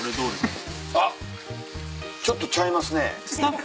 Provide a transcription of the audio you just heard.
あっちょっとちゃいますね。